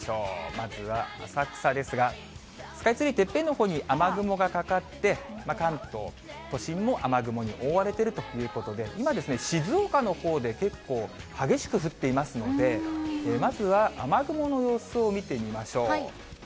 まずは浅草ですが、スカイツリー、てっぺんのほうに雨雲がかかって、関東、都心も雨雲に覆われているということで、今ですね、静岡のほうで結構激しく降っていますので、まずは雨雲の様子を見てみましょう。